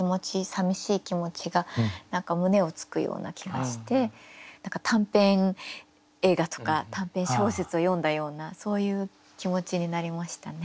さみしい気持ちが何か胸をつくような気がして短編映画とか短編小説を読んだようなそういう気持ちになりましたね。